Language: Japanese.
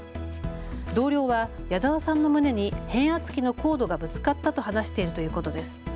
同僚は谷澤さんの胸に変圧器のコードがぶつかったと話しているということです。